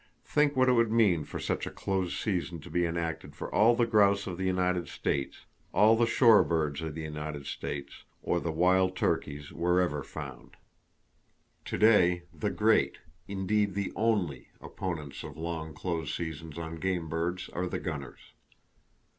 Think what it would mean for such a close season to be enacted for all the grouse of the United States, all the shore birds of the United States, or the wild turkey wherever found! To day, the great—indeed, the only—opponents of long close seasons on game birds are the gunners.